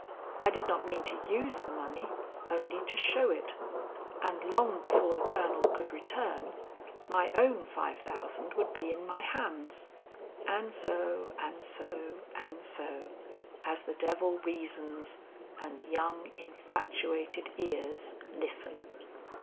I did not mean to use the money, only to show it; and long before the colonel could return, my own five thousand would be in my hands and so, and so, and so, as the devil reasons and young infatuated ears listen.